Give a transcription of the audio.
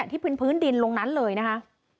ที่พื้นดินตรงนั้นเลยนะคะ